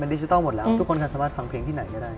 ดิจิทัลหมดแล้วทุกคนค่ะสามารถฟังเพลงที่ไหนก็ได้